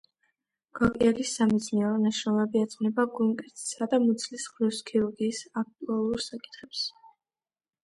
გოკიელის სამეცნიერო ნაშრომები ეძღვნება გულმკერდისა და მუცლის ღრუს ქირურგიის აქტუალურ საკითხებს.